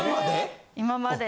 今まで？